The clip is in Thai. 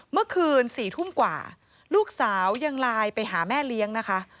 เมื่อคืน๔ทุ่มกว่าลูกสาวยังไลน์ไปหาแม่เลี้ยงนะคะ